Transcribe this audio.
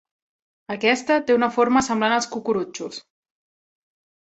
Aquesta té una forma semblant als cucurutxos.